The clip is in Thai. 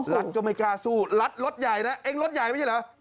รัฐก็ไม่กล้าสู้รัดรถใหญ่นะเองรถใหญ่ไม่ใช่เหรอ